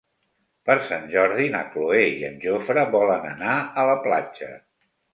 Per Sant Jordi na Cloè i en Jofre volen anar a la platja.